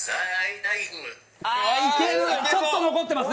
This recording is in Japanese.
ちょっと残ってます